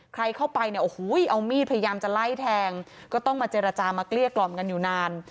ใครเข้าไปเนี่ยโอ้โหเอามีดพยายามจะไล่แทงก็ต้องมาเจรจามาเกลี้ยกล่อมกันอยู่นาน